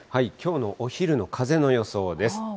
きょうのお昼の風の予想です。